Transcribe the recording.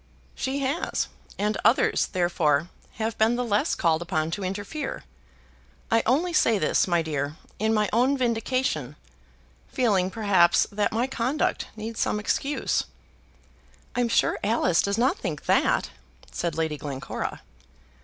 "She has, and others, therefore, have been the less called upon to interfere. I only say this, my dear, in my own vindication, feeling, perhaps, that my conduct needs some excuse." "I'm sure Alice does not think that," said Lady Glencora.